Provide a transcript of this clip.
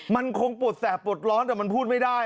มันคงปวดแสบปวดร้อนแต่มันพูดไม่ได้